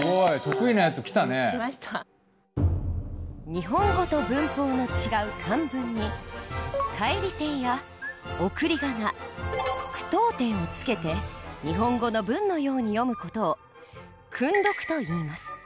日本語と文法の違う漢文に返り点や送り仮名句読点をつけて日本語の文のように読む事を「訓読」といいます。